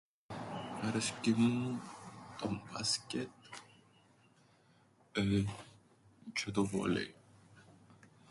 Αρέσκει μου το μπάσκετ εεε τζ̆αι το βόλεϊ.